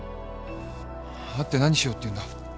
会って何しようっていうんだ？